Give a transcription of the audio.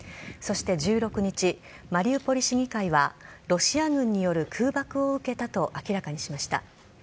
そして１６日マリウポリ市議会はロシア軍による空爆を受けたと明らかにしました。